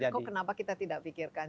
kok kenapa kita tidak pikirkan